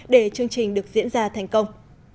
để chương trình được diễn ra thành công